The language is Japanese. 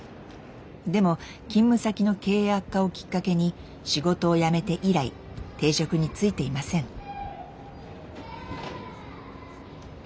でも勤務先の経営悪化をきっかけに仕事を辞めて以来定職に就いていません。